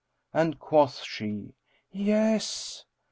and quoth she, "Yes."